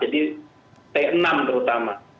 jadi t enam terutama